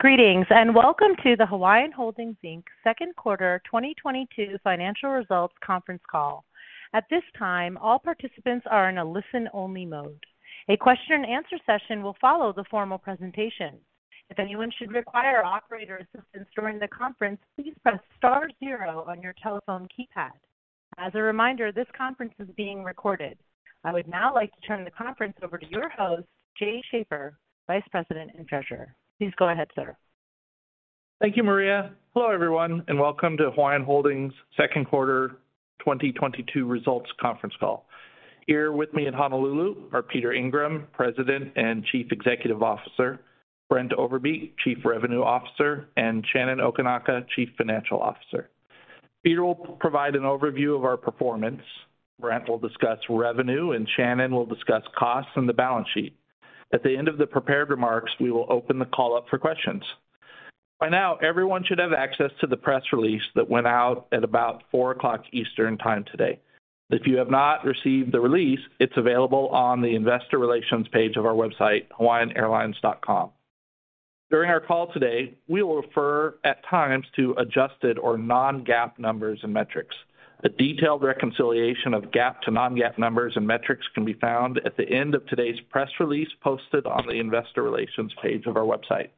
Greetings, and welcome to the Hawaiian Holdings, Inc. second quarter 2022 financial results conference call. At this time, all participants are in a listen-only mode. A question-and-answer session will follow the formal presentation. If anyone should require operator assistance during the conference, please press star zero on your telephone keypad. As a reminder, this conference is being recorded. I would now like to turn the conference over to your host, Jay Schaefer, Vice President and Treasurer. Please go ahead, sir. Thank you, Maria. Hello, everyone, and welcome to Hawaiian Holdings second quarter 2022 results conference call. Here with me in Honolulu are Peter Ingram, President and Chief Executive Officer, Brent Overbeek, Chief Revenue Officer, and Shannon Okinaka, Chief Financial Officer. Peter will provide an overview of our performance. Brent will discuss revenue, and Shannon will discuss costs and the balance sheet. At the end of the prepared remarks, we will open the call up for questions. By now, everyone should have access to the press release that went out at about 4:00 P.M. Eastern Time today. If you have not received the release, it's available on the investor relations page of our website, hawaiianairlines.com. During our call today, we will refer at times to adjusted or non-GAAP numbers and metrics. A detailed reconciliation of GAAP to non-GAAP numbers and metrics can be found at the end of today's press release posted on the investor relations page of our website.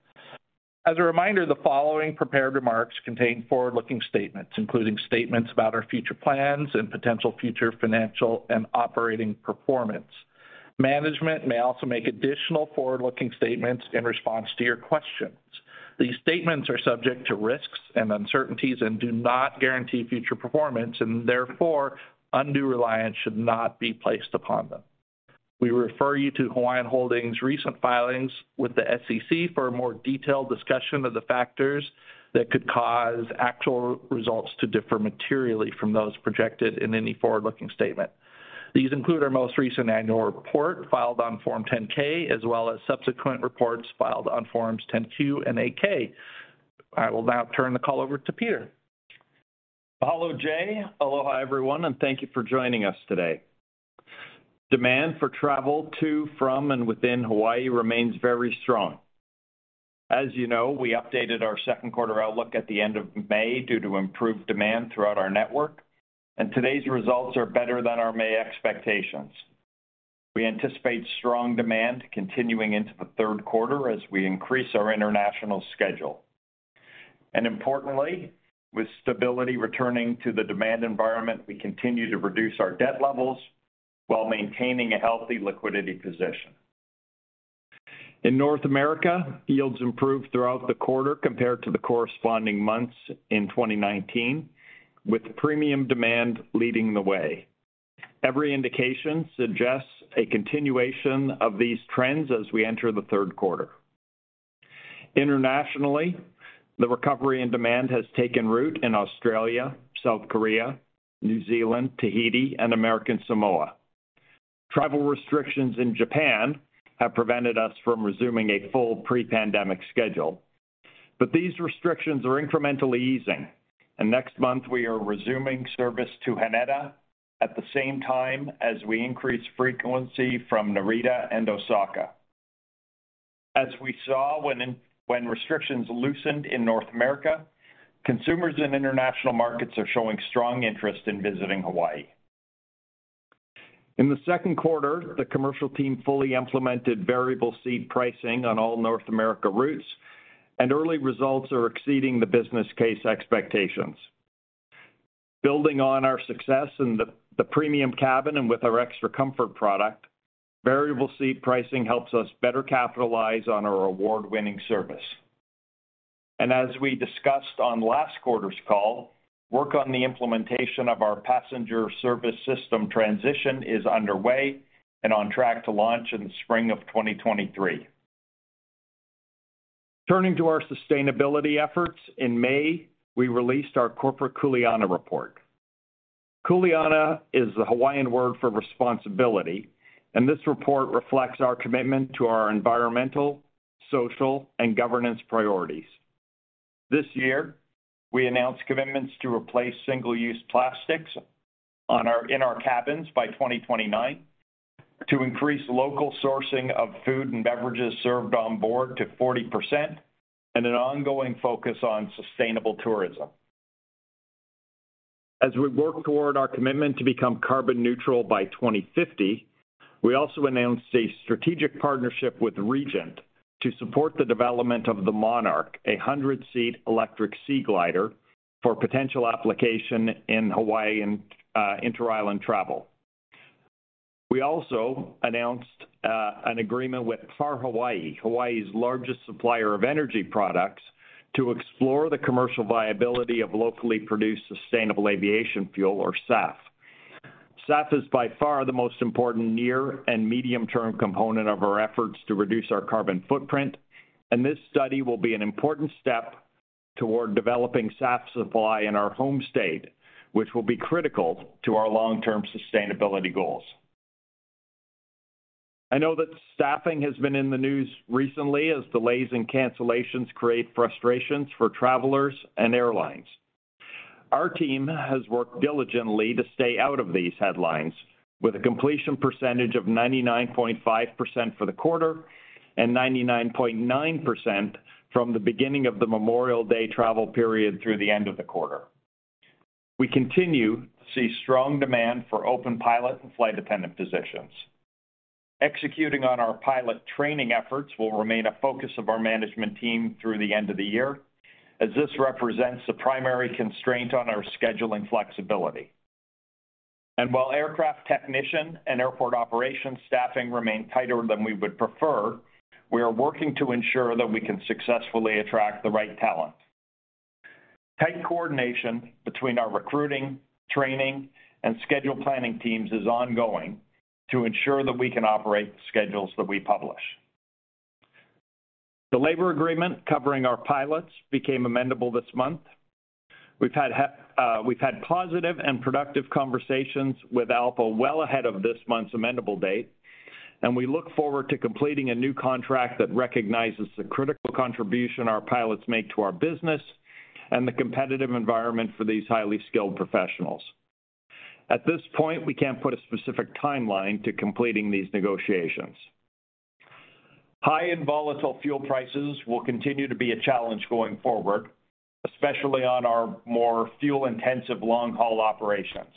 As a reminder, the following prepared remarks contain forward-looking statements, including statements about our future plans and potential future financial and operating performance. Management may also make additional forward-looking statements in response to your questions. These statements are subject to risks and uncertainties and do not guarantee future performance, and therefore, undue reliance should not be placed upon them. We refer you to Hawaiian Holdings' recent filings with the SEC for a more detailed discussion of the factors that could cause actual results to differ materially from those projected in any forward-looking statement. These include our most recent annual report filed on Form 10-K, as well as subsequent reports filed on Forms 10-Q and 8-K. I will now turn the call over to Peter. Mahalo, Jay. Aloha, everyone, and thank you for joining us today. Demand for travel to, from, and within Hawaii remains very strong. As you know, we updated our second quarter outlook at the end of May due to improved demand throughout our network, and today's results are better than our May expectations. We anticipate strong demand continuing into the third quarter as we increase our international schedule. Importantly, with stability returning to the demand environment, we continue to reduce our debt levels while maintaining a healthy liquidity position. In North America, yields improved throughout the quarter compared to the corresponding months in 2019, with premium demand leading the way. Every indication suggests a continuation of these trends as we enter the third quarter. Internationally, the recovery and demand has taken root in Australia, South Korea, New Zealand, Tahiti, and American Samoa. Travel restrictions in Japan have prevented us from resuming a full pre-pandemic schedule. These restrictions are incrementally easing, and next month we are resuming service to Haneda at the same time as we increase frequency from Narita and Osaka. As we saw when restrictions loosened in North America, consumers in international markets are showing strong interest in visiting Hawaii. In the second quarter, the commercial team fully implemented variable seat pricing on all North America routes, and early results are exceeding the business case expectations. Building on our success in the premium cabin and with our Extra Comfort product, variable seat pricing helps us better capitalize on our award-winning service. As we discussed on last quarter's call, work on the implementation of our passenger service system transition is underway and on track to launch in the spring of 2023. Turning to our sustainability efforts, in May, we released our corporate Kuleana report. Kuleana is the Hawaiian word for responsibility, and this report reflects our commitment to our environmental, social, and governance priorities. This year, we announced commitments to replace single-use plastics in our cabins by 2029, to increase local sourcing of food and beverages served on board to 40%, and an ongoing focus on sustainable tourism. As we work toward our commitment to become carbon neutral by 2050, we also announced a strategic partnership with REGENT to support the development of the Monarch, a 100-seat electric seaglider for potential application in Hawaii and inter-island travel. We also announced an agreement with Par Hawaii's largest supplier of energy products, to explore the commercial viability of locally produced sustainable aviation fuel or SAF. SAF is by far the most important near and medium-term component of our efforts to reduce our carbon footprint, and this study will be an important step toward developing SAF supply in our home state, which will be critical to our long-term sustainability goals. I know that staffing has been in the news recently as delays and cancellations create frustrations for travelers and airlines. Our team has worked diligently to stay out of these headlines with a completion percentage of 99.5% for the quarter and 99.9% from the beginning of the Memorial Day travel period through the end of the quarter. We continue to see strong demand for open pilot and flight dependent positions. Executing on our pilot training efforts will remain a focus of our management team through the end of the year, as this represents the primary constraint on our scheduling flexibility. While aircraft technician and airport operations staffing remain tighter than we would prefer, we are working to ensure that we can successfully attract the right talent. Tight coordination between our recruiting, training, and schedule planning teams is ongoing to ensure that we can operate the schedules that we publish. The labor agreement covering our pilots became amendable this month. We've had positive and productive conversations with ALPA well ahead of this month's amendable date, and we look forward to completing a new contract that recognizes the critical contribution our pilots make to our business and the competitive environment for these highly skilled professionals. At this point, we can't put a specific timeline to completing these negotiations. High-end volatile fuel prices will continue to be a challenge going forward, especially on our more fuel-intensive long-haul operations.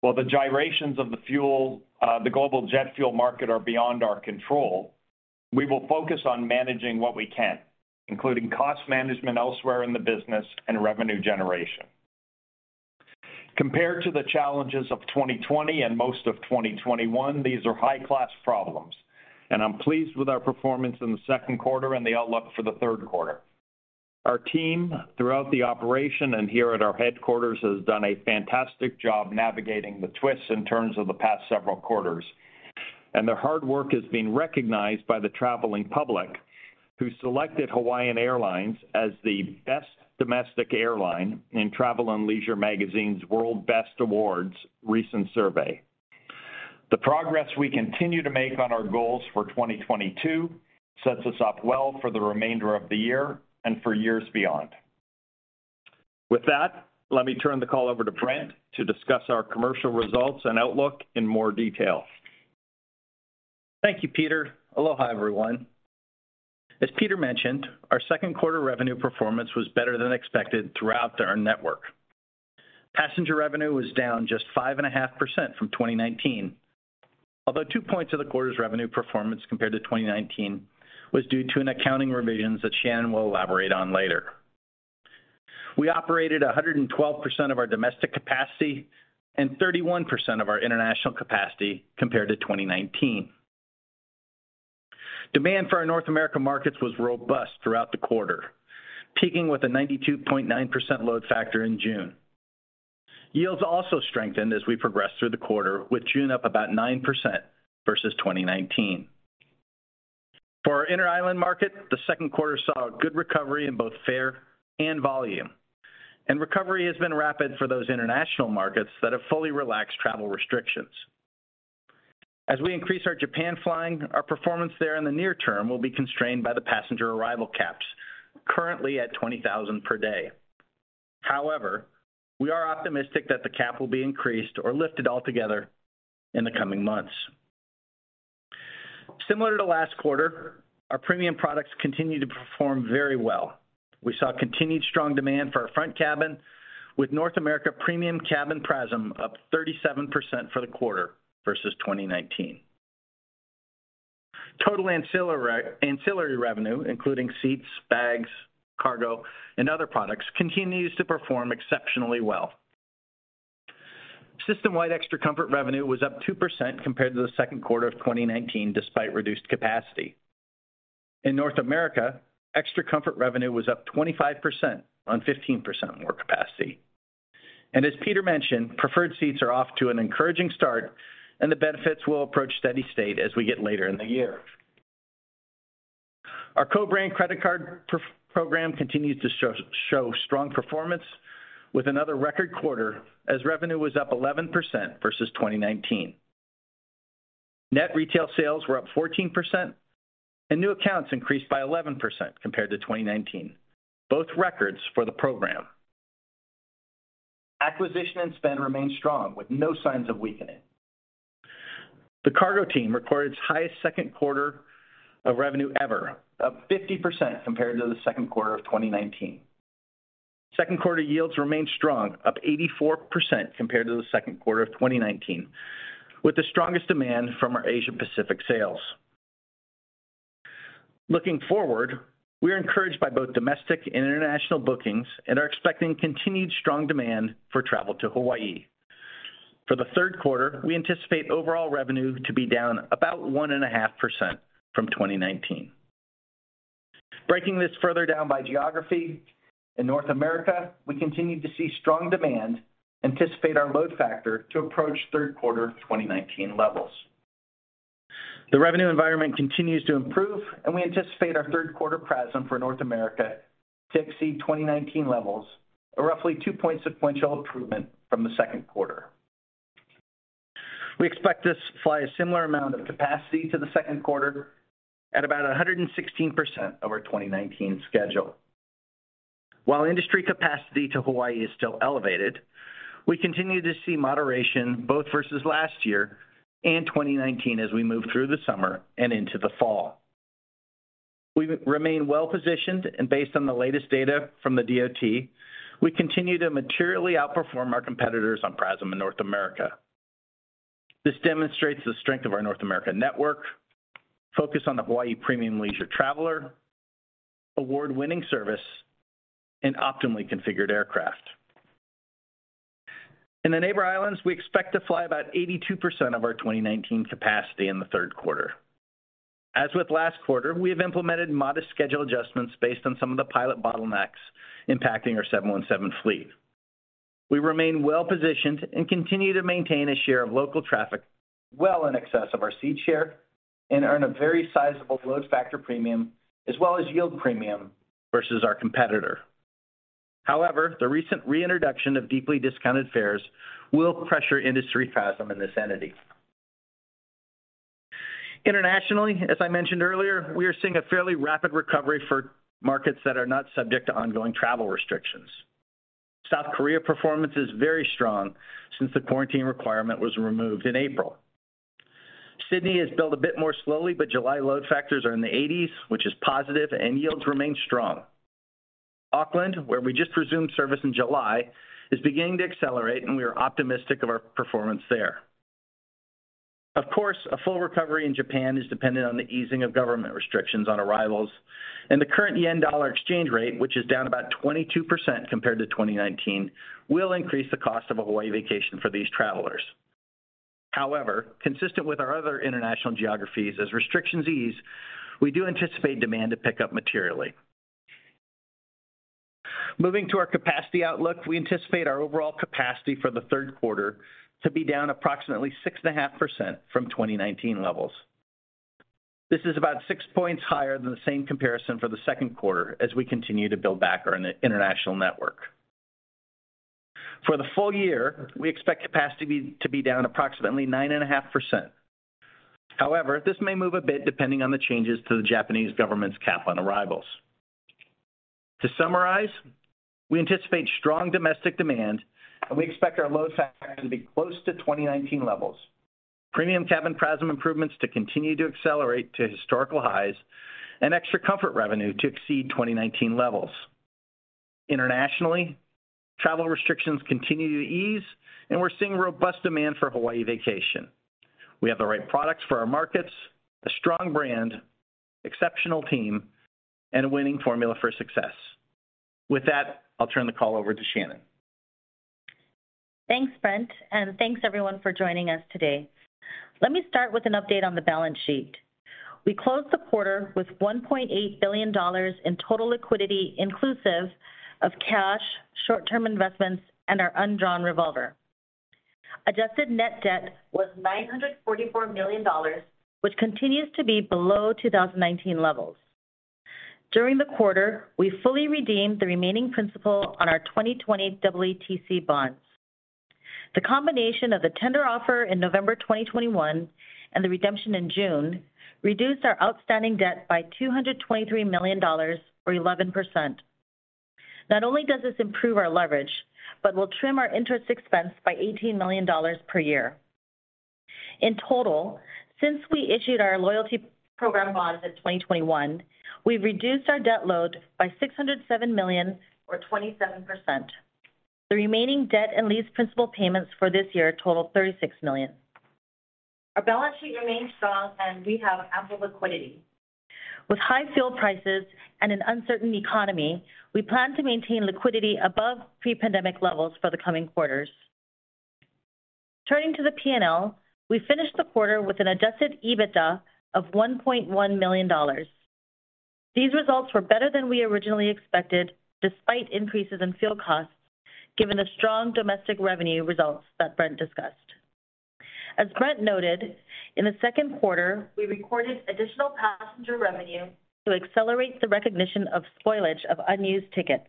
While the gyrations of the global jet fuel market are beyond our control, we will focus on managing what we can, including cost management elsewhere in the business and revenue generation. Compared to the challenges of 2020 and most of 2021, these are high-class problems, and I'm pleased with our performance in the second quarter and the outlook for the third quarter. Our team throughout the operation and here at our headquarters has done a fantastic job navigating the twists and turns of the past several quarters, and their hard work is being recognized by the traveling public who selected Hawaiian Airlines as the best domestic airline in Travel + Leisure magazine's World's Best Awards recent survey. The progress we continue to make on our goals for 2022 sets us up well for the remainder of the year and for years beyond. With that, let me turn the call over to Brent to discuss our commercial results and outlook in more detail. Thank you, Peter. Aloha, everyone. As Peter mentioned, our second quarter revenue performance was better than expected throughout our network. Passenger revenue was down just 5.5% from 2019. Although two points of the quarter's revenue performance compared to 2019 was due to an accounting revision that Shannon will elaborate on later. We operated 112% of our domestic capacity and 31% of our international capacity compared to 2019. Demand for our North America markets was robust throughout the quarter, peaking with a 92.9% load factor in June. Yields also strengthened as we progressed through the quarter, with June up about 9% versus 2019. For our Inter-island market, the second quarter saw a good recovery in both fare and volume. Recovery has been rapid for those international markets that have fully relaxed travel restrictions. As we increase our Japan flying, our performance there in the near term will be constrained by the passenger arrival caps, currently at 20,000 per day. However, we are optimistic that the cap will be increased or lifted altogether in the coming months. Similar to last quarter, our premium products continue to perform very well. We saw continued strong demand for our front cabin with North America premium cabin PRASM up 37% for the quarter versus 2019. Total ancillary revenue, including seats, bags, cargo, and other products, continues to perform exceptionally well. Systemwide Extra Comfort revenue was up 2% compared to the second quarter of 2019, despite reduced capacity. In North America, Extra Comfort revenue was up 25% on 15% more capacity. As Peter mentioned, Preferred Seats are off to an encouraging start, and the benefits will approach steady state as we get later in the year. Our co-branded credit card program continues to show strong performance with another record quarter as revenue was up 11% versus 2019. Net retail sales were up 14%, and new accounts increased by 11% compared to 2019, both records for the program. Acquisition and spend remain strong with no signs of weakening. The cargo team recorded its highest second quarter of revenue ever, up 50% compared to the second quarter of 2019. Second quarter yields remain strong, up 84% compared to the second quarter of 2019, with the strongest demand from our Asia Pacific sales. Looking forward, we are encouraged by both domestic and international bookings and are expecting continued strong demand for travel to Hawaii. For the third quarter, we anticipate overall revenue to be down about 1.5% from 2019. Breaking this further down by geography, in North America, we continue to see strong demand, anticipate our load factor to approach third quarter 2019 levels. The revenue environment continues to improve, and we anticipate our third quarter PRASM for North America to exceed 2019 levels of roughly two points sequential improvement from the second quarter. We expect to fly a similar amount of capacity to the second quarter at about 116% of our 2019 schedule. While industry capacity to Hawaii is still elevated, we continue to see moderation both versus last year and 2019 as we move through the summer and into the fall. We remain well-positioned and based on the latest data from the DOT, we continue to materially outperform our competitors on PRASM in North America. This demonstrates the strength of our North America network, focus on the Hawaii premium leisure traveler, award-winning service, and optimally configured aircraft. In the Neighbor Islands, we expect to fly about 82% of our 2019 capacity in the third quarter. As with last quarter, we have implemented modest schedule adjustments based on some of the pilot bottlenecks impacting our 717 fleet. We remain well-positioned and continue to maintain a share of local traffic well in excess of our seat share and earn a very sizable load factor premium as well as yield premium versus our competitor. However, the recent reintroduction of deeply discounted fares will pressure industry PRASM in this entity. Internationally, as I mentioned earlier, we are seeing a fairly rapid recovery for markets that are not subject to ongoing travel restrictions. South Korea performance is very strong since the quarantine requirement was removed in April. Sydney has built a bit more slowly, but July load factors are in the 80s, which is positive, and yields remain strong. Auckland, where we just resumed service in July, is beginning to accelerate, and we are optimistic of our performance there. Of course, a full recovery in Japan is dependent on the easing of government restrictions on arrivals. The current yen-dollar exchange rate, which is down about 22% compared to 2019, will increase the cost of a Hawaii vacation for these travelers. However, consistent with our other international geographies, as restrictions ease, we do anticipate demand to pick up materially. Moving to our capacity outlook, we anticipate our overall capacity for the third quarter to be down approximately 6.5% from 2019 levels. This is about 6 points higher than the same comparison for the second quarter as we continue to build back our international network. For the full year, we expect capacity to be down approximately 9.5%. However, this may move a bit depending on the changes to the Japanese government's cap on arrivals. To summarize, we anticipate strong domestic demand, and we expect our load factor to be close to 2019 levels. Premium cabin PRASM improvements to continue to accelerate to historical highs and Extra Comfort revenue to exceed 2019 levels. Internationally, travel restrictions continue to ease, and we're seeing robust demand for Hawaii vacation. We have the right products for our markets, a strong brand, exceptional team, and a winning formula for success. With that, I'll turn the call over to Shannon. Thanks, Brent, and thanks everyone for joining us today. Let me start with an update on the balance sheet. We closed the quarter with $1.8 billion in total liquidity, inclusive of cash, short-term investments, and our undrawn revolver. Adjusted net debt was $944 million, which continues to be below 2019 levels. During the quarter, we fully redeemed the remaining principal on our 2020 EETC bonds. The combination of the tender offer in November 2021 and the redemption in June reduced our outstanding debt by $223 million or 11%. Not only does this improve our leverage but will trim our interest expense by $18 million per year. In total, since we issued our loyalty program bonds in 2021, we've reduced our debt load by $607 million or 27%. The remaining debt and lease principal payments for this year total $36 million. Our balance sheet remains strong, and we have ample liquidity. With high fuel prices and an uncertain economy, we plan to maintain liquidity above pre-pandemic levels for the coming quarters. Turning to the P&L, we finished the quarter with an adjusted EBITDA of $1.1 million. These results were better than we originally expected despite increases in fuel costs, given the strong domestic revenue results that Brent discussed. As Brent noted, in the second quarter, we recorded additional passenger revenue to accelerate the recognition of spoilage of unused tickets.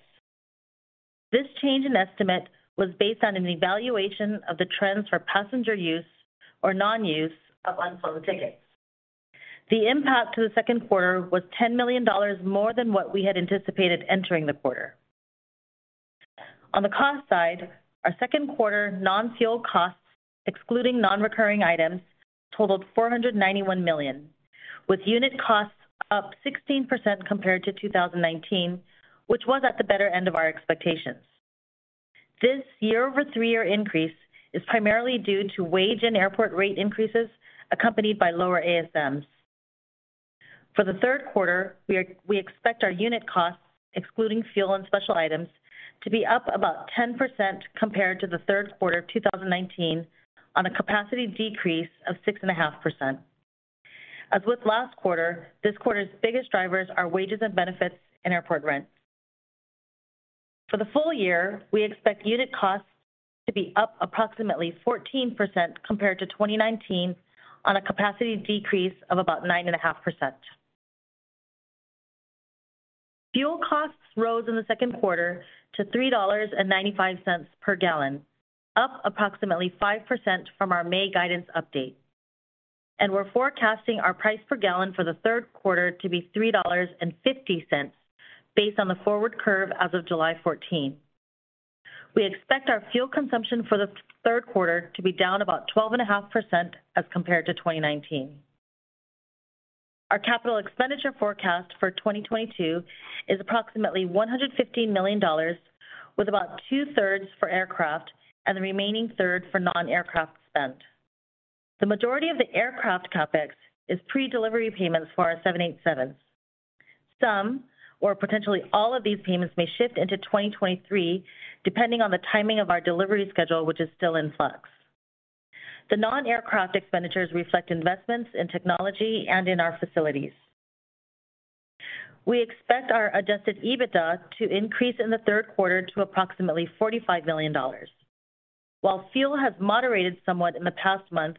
This change in estimate was based on an evaluation of the trends for passenger use or non-use of unflown tickets. The impact to the second quarter was $10 million more than what we had anticipated entering the quarter. On the cost side, our second quarter non-fuel costs, excluding non-recurring items, totaled $491 million, with unit costs up 16% compared to 2019, which was at the better end of our expectations. This year-over-year increase is primarily due to wage and airport rate increases accompanied by lower ASMs. For the third quarter, we expect our unit costs, excluding fuel and special items, to be up about 10% compared to the third quarter of 2019 on a capacity decrease of 6.5%. As with last quarter, this quarter's biggest drivers are wages and benefits and airport rent. For the full year, we expect unit costs to be up approximately 14% compared to 2019 on a capacity decrease of about 9.5%. Fuel costs rose in the second quarter to $3.95 per gallon, up approximately 5% from our May guidance update. We're forecasting our price per gallon for the third quarter to be $3.50 based on the forward curve as of July 14th. We expect our fuel consumption for the third quarter to be down about 12.5% as compared to 2019. Our capital expenditure forecast for 2022 is approximately $115 million, with about two-thirds for aircraft and the remaining third for non-aircraft spend. The majority of the aircraft CapEx is pre-delivery payments for our 787s. Some or potentially all of these payments may shift into 2023 depending on the timing of our delivery schedule, which is still in flux. The non-aircraft expenditures reflect investments in technology and in our facilities. We expect our adjusted EBITDA to increase in the third quarter to approximately $45 million. While fuel has moderated somewhat in the past month,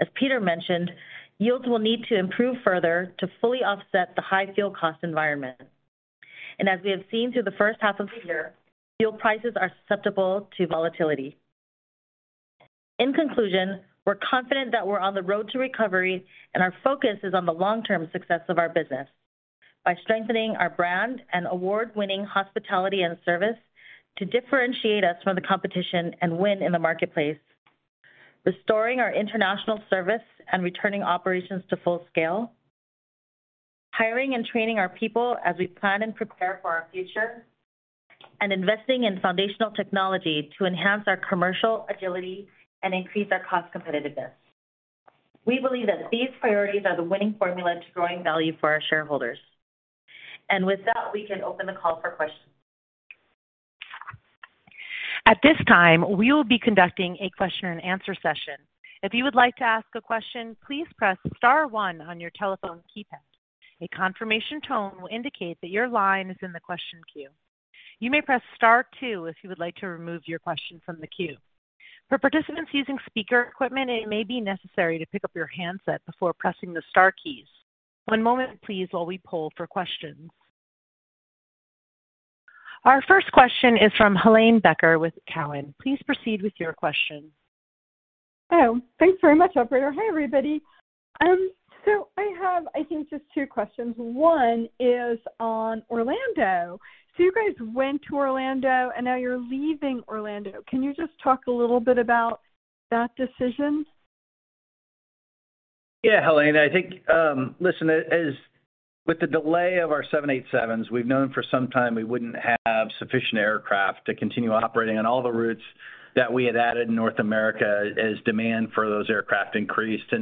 as Peter mentioned, yields will need to improve further to fully offset the high fuel cost environment. As we have seen through the first half of the year, fuel prices are susceptible to volatility. In conclusion, we're confident that we're on the road to recovery, and our focus is on the long-term success of our business by strengthening our brand and award-winning hospitality and service to differentiate us from the competition and win in the marketplace, restoring our international service and returning operations to full scale, hiring and training our people as we plan and prepare for our future, and investing in foundational technology to enhance our commercial agility and increase our cost competitiveness. We believe that these priorities are the winning formula to growing value for our shareholders. With that, we can open the call for questions. At this time, we will be conducting a question-and-answer session. If you would like to ask a question, please press star one on your telephone keypad. A confirmation tone will indicate that your line is in the question queue. You may press star two if you would like to remove your question from the queue. For participants using speaker equipment, it may be necessary to pick up your handset before pressing the star keys. One moment please while we poll for questions. Our first question is from Helane Becker with Cowen. Please proceed with your question. Oh, thanks very much, operator. Hey, everybody. I have, I think, just two questions. One is on Orlando. You guys went to Orlando and now you're leaving Orlando. Can you just talk a little bit about that decision? Yeah, Helane. I think, listen, as with the delay of our 787s, we've known for some time we wouldn't have sufficient aircraft to continue operating on all the routes that we had added in North America as demand for those aircraft increased.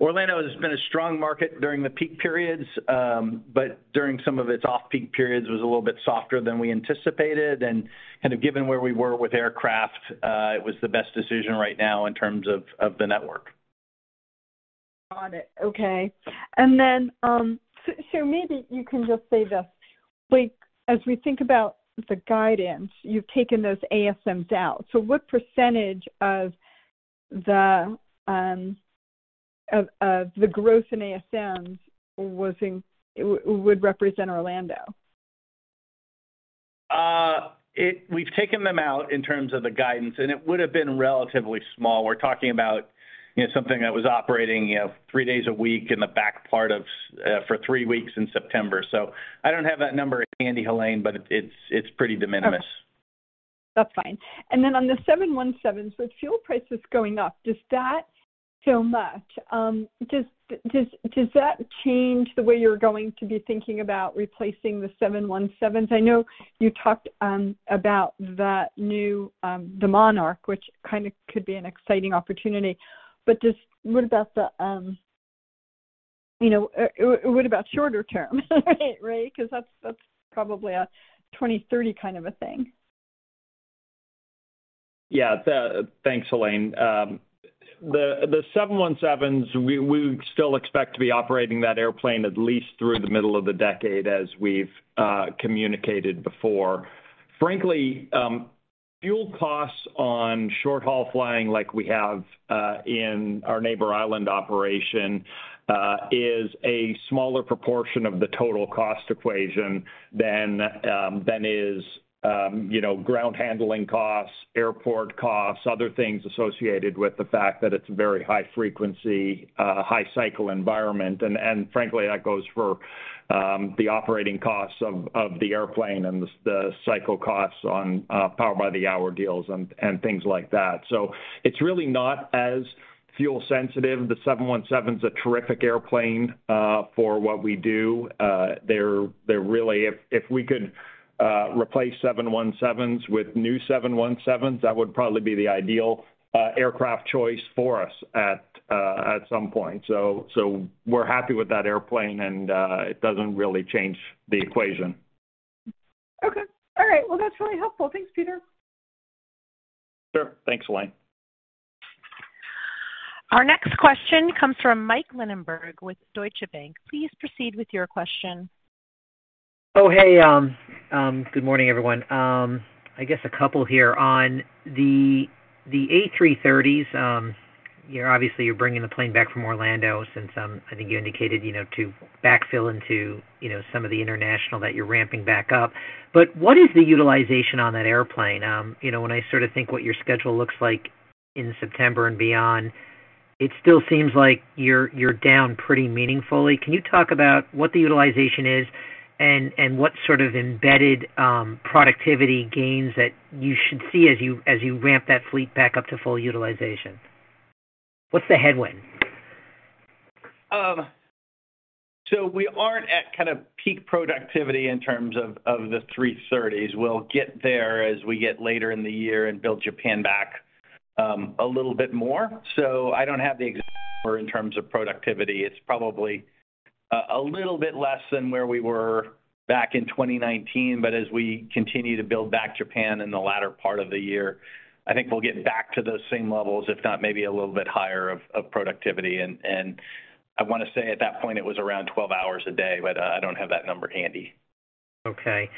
Orlando has been a strong market during the peak periods, but during some of its off-peak periods was a little bit softer than we anticipated. Kind of given where we were with aircraft, it was the best decision right now in terms of the network. Got it. Okay. Maybe you can just say this. Like, as we think about the guidance, you've taken those ASMs out. What percentage of the growth in ASMs would represent Orlando? We've taken them out in terms of the guidance, and it would have been relatively small. We're talking about, you know, something that was operating, you know, three days a week in the back part of September for three weeks. I don't have that number handy, Helane, but it's pretty de minimis. Okay. That's fine. Then on the 717s, with fuel prices going up, does that change the way you're going to be thinking about replacing the 717s? I know you talked about the new Monarch, which kind of could be an exciting opportunity. What about the shorter term, right? Because that's probably a 2030 kind of a thing. Yeah. Thanks, Helane. The 717s, we still expect to be operating that airplane at least through the middle of the decade, as we've communicated before. Frankly, fuel costs on short-haul flying like we have in our Neighbor Island operation is a smaller proportion of the total cost equation than is, you know, ground handling costs, airport costs, other things associated with the fact that it's a very high frequency, high cycle environment. Frankly, that goes for the operating costs of the airplane and the cycle costs on Power by the Hour deals and things like that. It's really not as fuel sensitive. The 717's a terrific airplane for what we do. If we could replace 717s with new 717s, that would probably be the ideal aircraft choice for us at some point. We're happy with that airplane, and it doesn't really change the equation. Okay. All right. Well, that's really helpful. Thanks, Peter. Sure. Thanks, Helane. Our next question comes from Mike Linenberg with Deutsche Bank. Please proceed with your question. Oh, hey. Good morning, everyone. I guess a couple here. On the A330s. You're obviously bringing the plane back from Orlando since I think you indicated, you know, to backfill into, you know, some of the international that you're ramping back up. What is the utilization on that airplane? You know, when I sort of think what your schedule looks like in September and beyond, it still seems like you're down pretty meaningfully. Can you talk about what the utilization is and what sort of embedded productivity gains that you should see as you ramp that fleet back up to full utilization? What's the headwind? We aren't at kind of peak productivity in terms of the 330s. We'll get there as we get later in the year and build Japan back a little bit more. I don't have the exact number in terms of productivity. It's probably a little bit less than where we were back in 2019, but as we continue to build back Japan in the latter part of the year, I think we'll get back to those same levels, if not maybe a little bit higher of productivity. I wanna say at that point it was around 12 hours a day, but I don't have that number handy. Okay.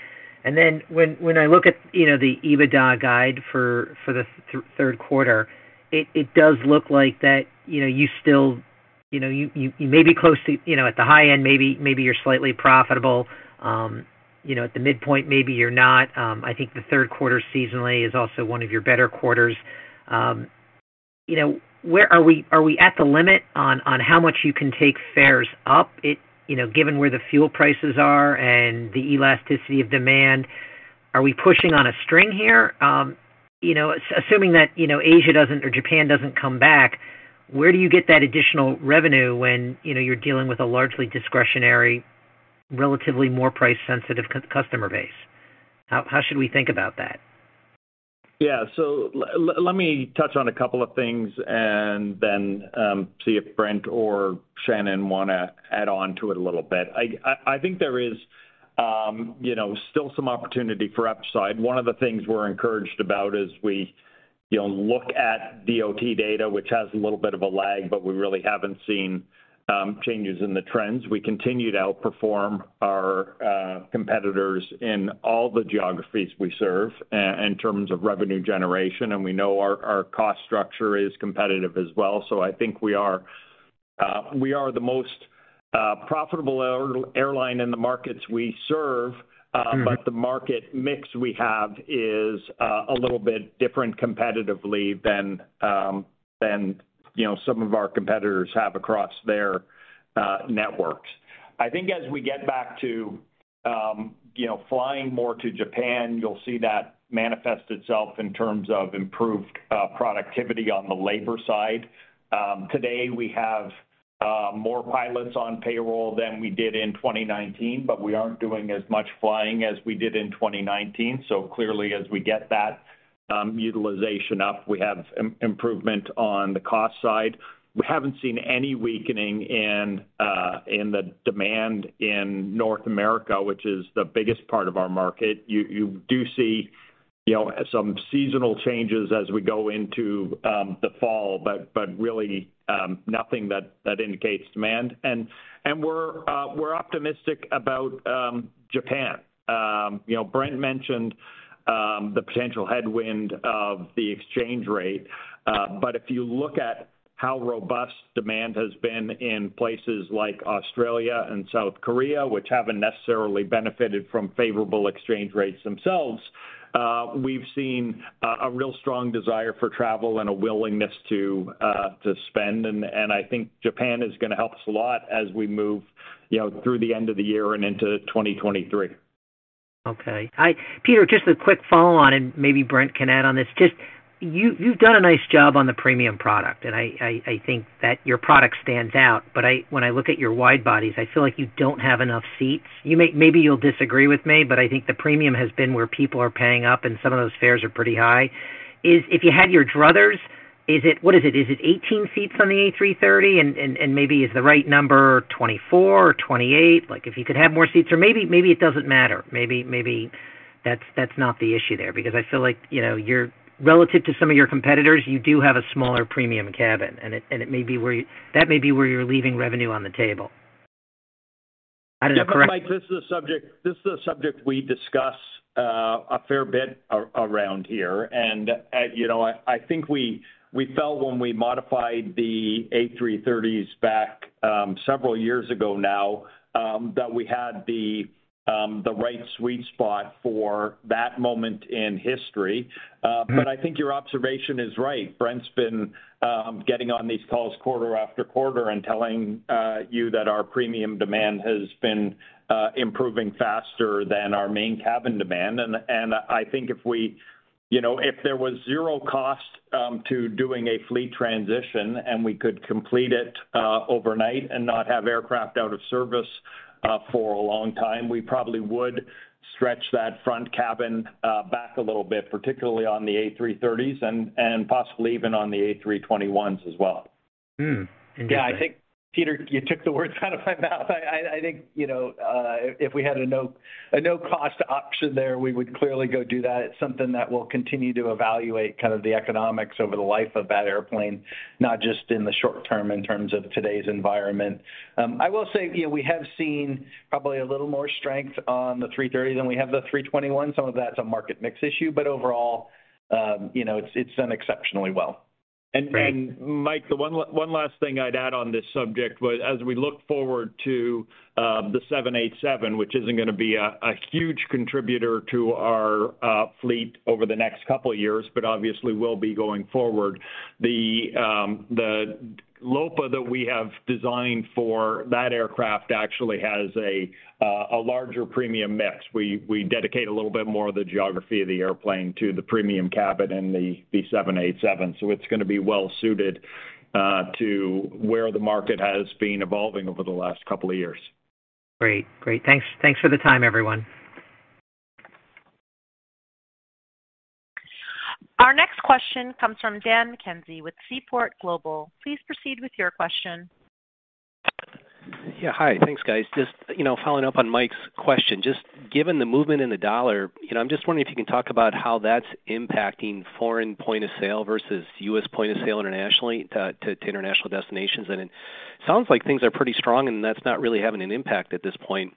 Then when I look at, you know, the EBITDA guide for the third quarter, it does look like that, you know, you still may be close to, you know, at the high end, maybe you're slightly profitable. You know, at the midpoint, maybe you're not. I think the third quarter seasonally is also one of your better quarters. You know, where are we at the limit on how much you can take fares up, you know, given where the fuel prices are and the elasticity of demand, are we pushing on a string here? You know, assuming that, you know, Asia doesn't or Japan doesn't come back, where do you get that additional revenue when, you know, you're dealing with a largely discretionary, relatively more price-sensitive customer base? How should we think about that? Yeah. Let me touch on a couple of things and then see if Brent or Shannon wanna add on to it a little bit. I think there is you know still some opportunity for upside. One of the things we're encouraged about as we you know look at DOT data which has a little bit of a lag but we really haven't seen changes in the trends. We continue to outperform our competitors in all the geographies we serve in terms of revenue generation and we know our cost structure is competitive as well. I think we are the most profitable airline in the markets we serve. Mm-hmm. The market mix we have is a little bit different competitively than you know some of our competitors have across their networks. I think as we get back to you know flying more to Japan, you'll see that manifest itself in terms of improved productivity on the labor side. Today, we have more pilots on payroll than we did in 2019, but we aren't doing as much flying as we did in 2019. Clearly, as we get that utilization up, we have improvement on the cost side. We haven't seen any weakening in the demand in North America, which is the biggest part of our market. You do see you know some seasonal changes as we go into the fall, but really nothing that indicates demand. We're optimistic about Japan. You know, Brent mentioned the potential headwind of the exchange rate. But if you look at how robust demand has been in places like Australia and South Korea, which haven't necessarily benefited from favorable exchange rates themselves, we've seen a real strong desire for travel and a willingness to spend. I think Japan is gonna help us a lot as we move, you know, through the end of the year and into 2023. Okay. Peter, just a quick follow on, and maybe Brent can add on this. Just, you've done a nice job on the premium product, and I think that your product stands out. But when I look at your wide-bodies, I feel like you don't have enough seats. You, maybe you'll disagree with me, but I think the premium has been where people are paying up, and some of those fares are pretty high. If you had your druthers, what is it? Is it 18 seats on the A330? And maybe is the right number 24 or 28? Like, if you could have more seats, or maybe it doesn't matter. Maybe that's not the issue there because I feel like, you know, your. Relative to some of your competitors, you do have a smaller premium cabin, and it may be where you're leaving revenue on the table. I don't know if correct. Yeah. Mike, this is a subject we discuss a fair bit around here. You know, I think we felt when we modified the A330s back several years ago now that we had the right sweet spot for that moment in history. Mm-hmm. I think your observation is right. Brent's been getting on these calls quarter after quarter and telling you that our premium demand has been improving faster than our main cabin demand. I think if we you know if there was zero cost to doing a fleet transition, and we could complete it overnight and not have aircraft out of service for a long time, we probably would stretch that front cabin back a little bit, particularly on the A330s and possibly even on the A321s as well. Interesting. Yeah. I think, Peter, you took the words out of my mouth. I think, you know, if we had a no-cost option there, we would clearly go do that. It's something that we'll continue to evaluate kind of the economics over the life of that airplane, not just in the short term in terms of today's environment. I will say, you know, we have seen probably a little more strength on the A330 than we have the A321. Some of that's a market mix issue, but overall, you know, it's done exceptionally well. Mike, the one last thing I'd add on this subject was as we look forward to the 787, which isn't gonna be a huge contributor to our fleet over the next couple of years, but obviously will be going forward, the LOPA that we have designed for that aircraft actually has a larger premium mix. We dedicate a little bit more of the geography of the airplane to the premium cabin in the 787. It's gonna be well-suited to where the market has been evolving over the last couple of years. Great. Thanks for the time, everyone. Our next question comes from Dan McKenzie with Seaport Global. Please proceed with your question. Yeah. Hi. Thanks, guys. Just, you know, following up on Mike's question, just given the movement in the U.S. dollar, you know, I'm just wondering if you can talk about how that's impacting foreign point of sale versus U.S. point of sale internationally to international destinations. It sounds like things are pretty strong, and that's not really having an impact at this point.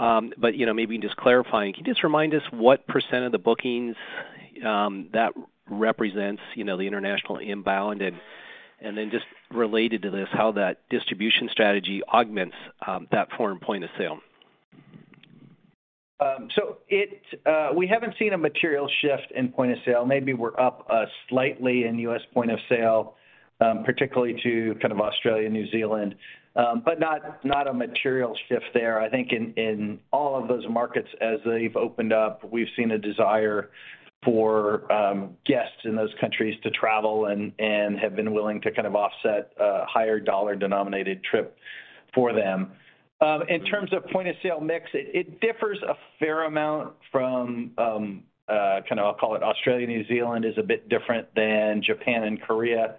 You know, maybe just clarifying, can you just remind us what % of the bookings that represents, you know, the international inbound and then just related to this, how that distribution strategy augments that foreign point of sale? We haven't seen a material shift in point of sale. Maybe we're up slightly in U.S. point of sale, particularly to kind of Australia, New Zealand, but not a material shift there. I think in all of those markets as they've opened up, we've seen a desire for guests in those countries to travel and have been willing to kind of offset a higher dollar-denominated trip for them. In terms of point-of-sale mix, it differs a fair amount from kind of I'll call it Australia. New Zealand is a bit different than Japan and Korea.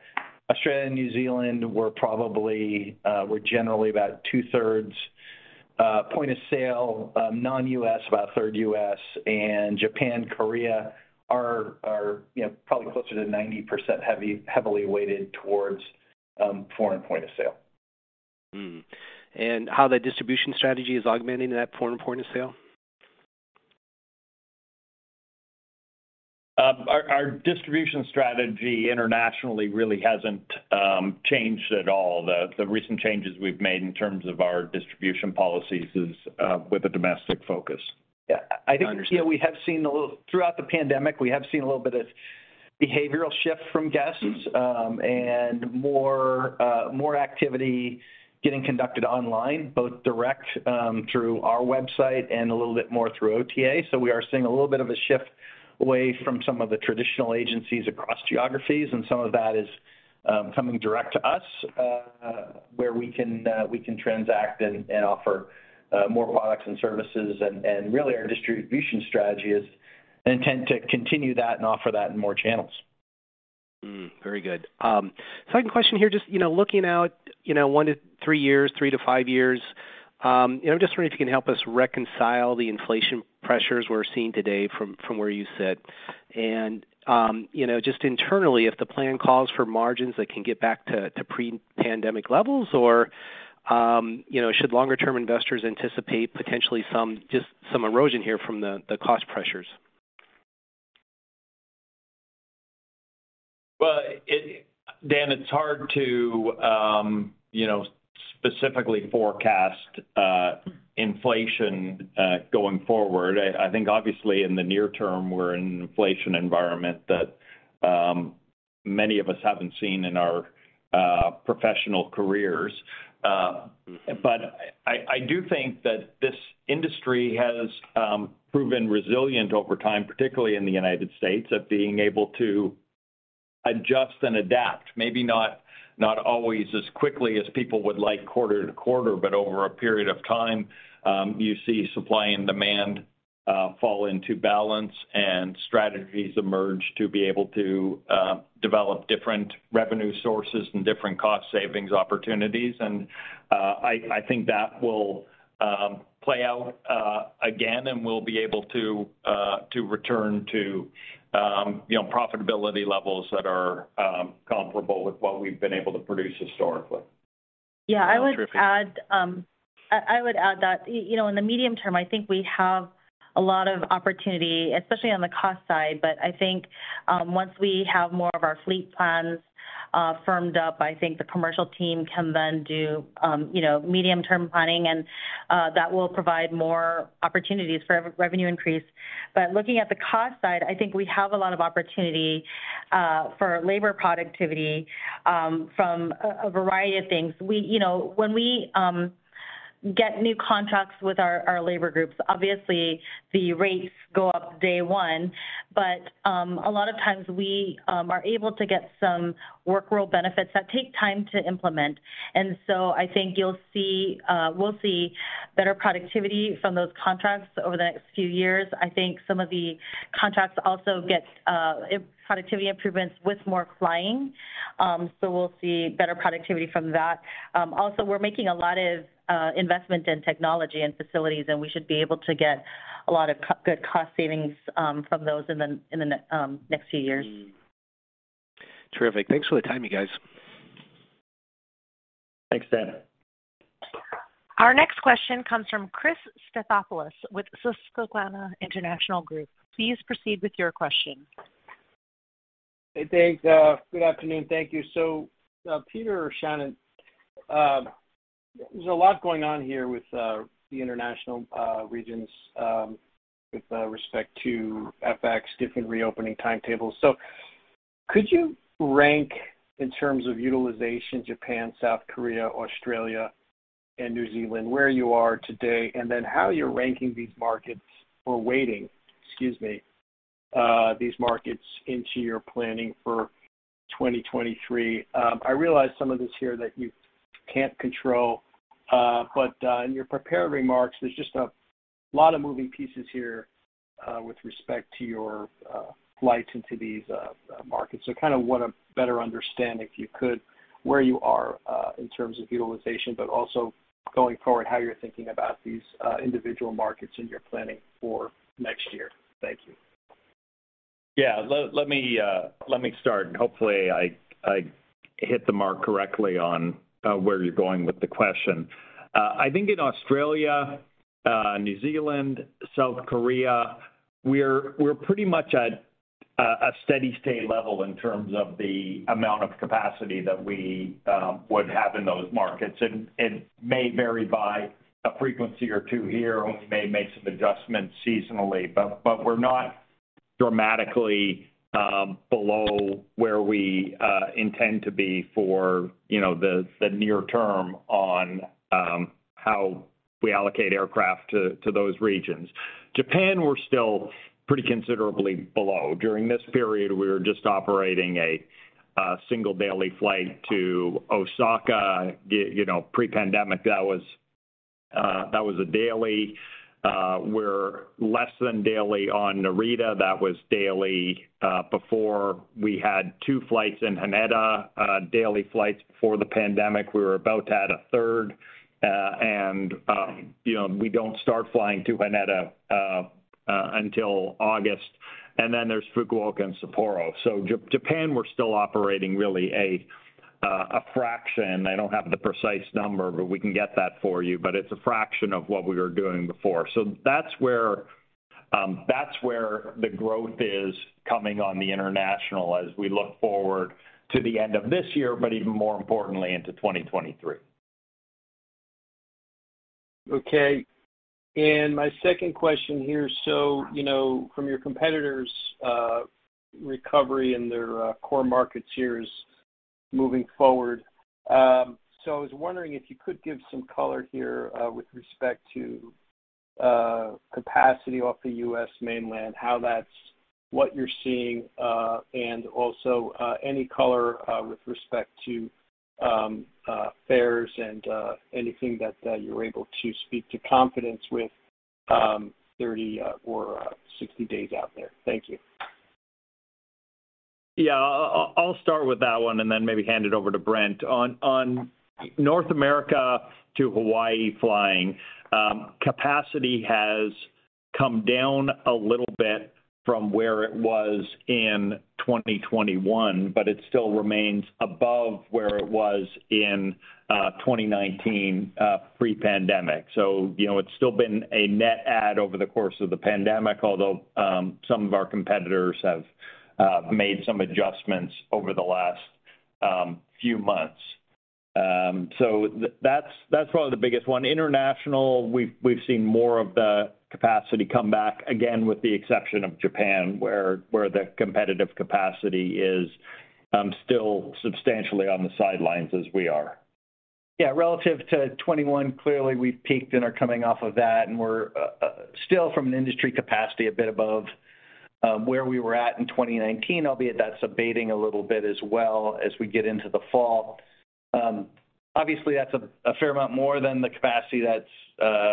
Australia and New Zealand were generally about two-thirds point of sale non-US, about a third U.S., and Japan, Korea are you know probably closer to 90% heavily weighted towards foreign point of sale. How that distribution strategy is augmenting that foreign point of sale? Our distribution strategy internationally really hasn't changed at all. The recent changes we've made in terms of our distribution policies is with a domestic focus. Yeah. I think. Understood You know, throughout the pandemic, we have seen a little bit of behavioral shift from guests, and more activity getting conducted online, both direct through our website and a little bit more through OTA. We are seeing a little bit of a shift away from some of the traditional agencies across geographies, and some of that is coming direct to us, where we can transact and offer more products and services. Really our distribution strategy is intended to continue that and offer that in more channels. Very good. Second question here, just, you know, looking out, you know, one to three years, three to five years, you know, I'm just wondering if you can help us reconcile the inflation pressures we're seeing today from where you sit. You know, just internally, if the plan calls for margins that can get back to pre-pandemic levels, or, you know, should longer term investors anticipate potentially some, just some erosion here from the cost pressures? Well, Dan, it's hard to, you know, specifically forecast inflation going forward. I think obviously in the near term, we're in an inflation environment that many of us haven't seen in our professional careers. I do think that this industry has proven resilient over time, particularly in the United States, at being able to adjust and adapt, maybe not always as quickly as people would like quarter-to-quarter, but over a period of time, you see supply and demand fall into balance and strategies emerge to be able to develop different revenue sources and different cost savings opportunities. I think that will play out again, and we'll be able to return to you know, profitability levels that are comparable with what we've been able to produce historically. Yeah. I would add that, you know, in the medium term, I think we have a lot of opportunity, especially on the cost side. I think, once we have more of our fleet plans, firmed up, I think the commercial team can then do, you know, medium-term planning, and that will provide more opportunities for revenue increase. Looking at the cost side, I think we have a lot of opportunity, for labor productivity, from a variety of things. You know, when we get new contracts with our labor groups, obviously the rates go up day one, but a lot of times we are able to get some work rule benefits that take time to implement. I think you'll see we'll see better productivity from those contracts over the next few years. I think some of the contracts also get productivity improvements with more flying, so we'll see better productivity from that. Also, we're making a lot of investment in technology and facilities, and we should be able to get a lot of good cost savings from those in the next few years. Terrific. Thanks for the time, you guys. Thanks, Dan. Our next question comes from Chris Stathoulopoulos with Susquehanna International Group. Please proceed with your question. Hey, thanks. Good afternoon. Thank you. Peter or Shannon, there's a lot going on here with the international regions with respect to FX, different reopening timetables. Could you rank in terms of utilization, Japan, South Korea, Australia, and New Zealand, where you are today, and then how you're ranking these markets or weighting, excuse me, these markets into your planning for 2023? I realize some of this here that you can't control, but in your prepared remarks, there's just a lot of moving pieces here with respect to your flights into these markets. Kind of want to better understand, if you could, where you are in terms of utilization, but also going forward, how you're thinking about these individual markets in your planning for next year. Thank you. Yeah. Let me start, and hopefully I hit the mark correctly on where you're going with the question. I think in Australia, New Zealand, South Korea, we're pretty much at a steady state level in terms of the amount of capacity that we would have in those markets. It may vary by a frequency or two here, or we may make some adjustments seasonally, but we're not dramatically below where we intend to be for, you know, the near term on how we allocate aircraft to those regions. Japan, we're still pretty considerably below. During this period, we were just operating a single daily flight to Osaka. You know, pre-pandemic that was a daily. We're less than daily on Narita. That was daily before. We had 2 flights in Haneda, daily flights before the pandemic. We were about to add a 3rd. You know, we don't start flying to Haneda until August. There's Fukuoka and Sapporo. Japan, we're still operating really a fraction. I don't have the precise number, but we can get that for you. It's a fraction of what we were doing before. That's where the growth is coming on the international as we look forward to the end of this year, but even more importantly, into 2023. Okay. My second question here, so, you know, from your competitors', recovery in their, core markets here is moving forward. I was wondering if you could give some color here, with respect to, capacity off the U.S. mainland, how that's what you're seeing, and also, any color, with respect to, fares and, anything that, you're able to speak to confidence with, 30 or 60 days out there. Thank you. Yeah. I'll start with that one and then maybe hand it over to Brent. On North America to Hawaii flying, capacity has come down a little bit from where it was in 2021, but it still remains above where it was in 2019, pre-pandemic. You know, it's still been a net add over the course of the pandemic, although some of our competitors have made some adjustments over the last few months. That's probably the biggest one. International, we've seen more of the capacity come back again with the exception of Japan, where the competitive capacity is still substantially on the sidelines as we are. Yeah. Relative to 2021, clearly we've peaked and are coming off of that, and we're still from an industry capacity a bit above where we were at in 2019, albeit that's abating a little bit as well as we get into the fall. Obviously that's a fair amount more than the capacity that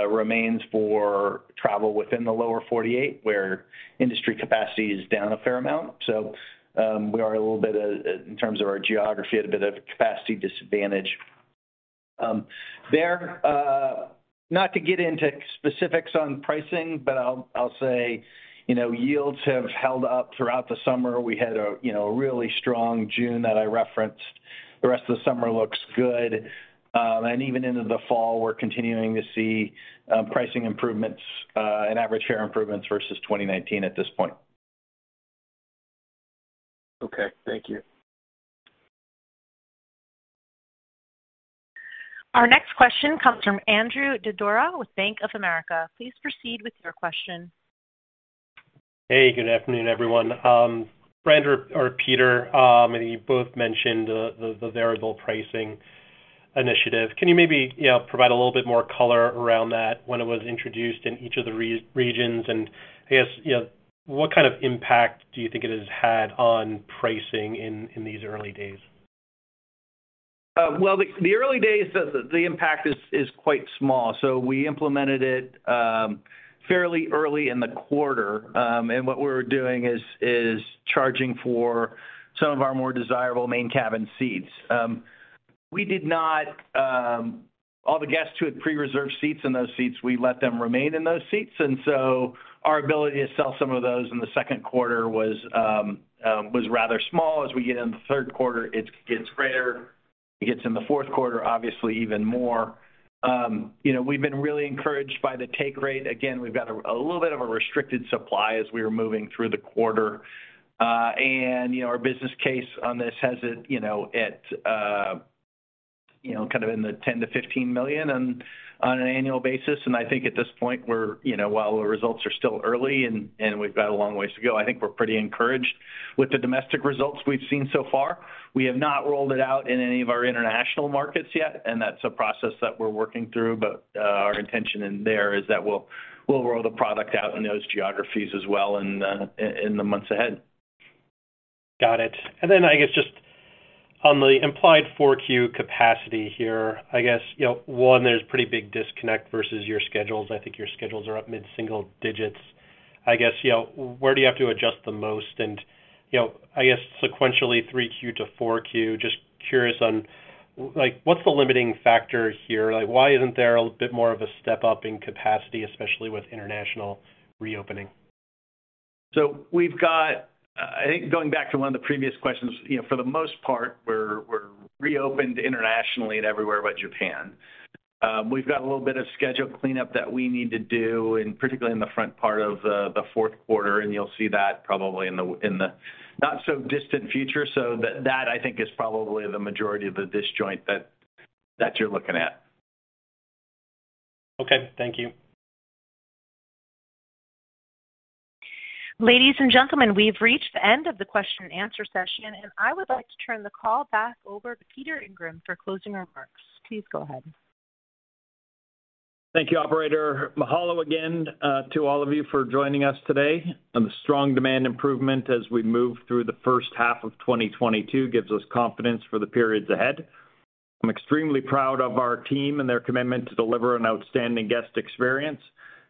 remains for travel within the lower forty-eight, where industry capacity is down a fair amount. We are a little bit, in terms of our geography, at a bit of a capacity disadvantage there. Not to get into specifics on pricing, but I'll say, you know, yields have held up throughout the summer. We had, you know, a really strong June that I referenced. The rest of the summer looks good. Even into the fall, we're continuing to see pricing improvements and average fare improvements versus 2019 at this point. Okay. Thank you. Our next question comes from Andrew Didora with Bank of America. Please proceed with your question. Hey, good afternoon, everyone. Brent or Peter, and you both mentioned the variable pricing initiative. Can you maybe, you know, provide a little bit more color around that, when it was introduced in each of the regions? I guess, you know, what kind of impact do you think it has had on pricing in these early days? Well, the early days, the impact is quite small. We implemented it fairly early in the quarter. What we're doing is charging for some of our more desirable main cabin seats. All the guests who had pre-reserved seats in those seats, we let them remain in those seats. Our ability to sell some of those in the second quarter was rather small. As we get into the third quarter, it gets greater. It gets in the fourth quarter, obviously even more. You know, we've been really encouraged by the take rate. Again, we've got a little bit of a restricted supply as we were moving through the quarter. You know, our business case on this has it, you know, at, kind of in the $10-$15 million on an annual basis. I think at this point we're, you know, while the results are still early and we've got a long ways to go, I think we're pretty encouraged with the domestic results we've seen so far. We have not rolled it out in any of our international markets yet, and that's a process that we're working through. Our intention in there is that we'll roll the product out in those geographies as well in the months ahead. Got it. Then I guess just on the implied four Q capacity here, I guess, you know, one, there's pretty big disconnect versus your schedules. I think your schedules are up mid-single digits. I guess, you know, where do you have to adjust the most? You know, I guess sequentially three Q to four Q, just curious on like what's the limiting factor here? Like, why isn't there a bit more of a step up in capacity, especially with international reopening? We've got, I think, going back to one of the previous questions, you know, for the most part we're reopened internationally and everywhere but Japan. We've got a little bit of schedule cleanup that we need to do, particularly in the front part of the fourth quarter, and you'll see that probably in the not-so-distant future. That, I think, is probably the majority of the disjoint that you're looking at. Okay. Thank you. Ladies and gentlemen, we've reached the end of the question and answer session, and I would like to turn the call back over to Peter Ingram for closing remarks. Please go ahead. Thank you, operator. Mahalo again to all of you for joining us today. On the strong demand improvement as we move through the first half of 2022 gives us confidence for the periods ahead. I'm extremely proud of our team and their commitment to deliver an outstanding guest experience,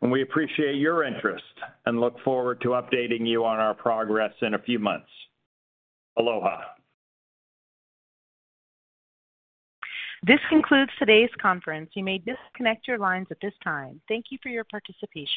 and we appreciate your interest and look forward to updating you on our progress in a few months. Aloha. This concludes today's conference. You may disconnect your lines at this time. Thank you for your participation.